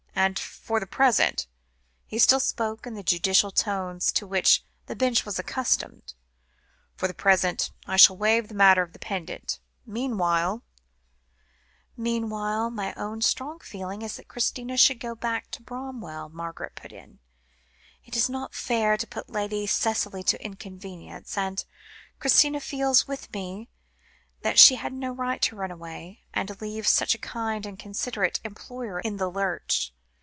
And for the present," he still spoke in the judicial tones, to which the Bench was accustomed, "for the present I shall waive the matter of the pendant. Meanwhile " "Meanwhile, my own strong feeling is that Christina should go back to Bramwell," Margaret put in; "it is not fair to put Lady Cicely to inconvenience, and Christina feels, with me, that she had no right to run away, and leave such a kind and considerate employer in the lurch.